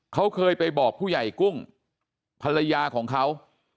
เขาเคยไปบอกผู้ใหญ่กุ้งภรรยาของเขา